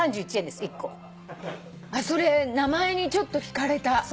それ名前にちょっと引かれた。